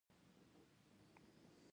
موریتاني متل وایي بې عزته ځای کې مه اوسئ.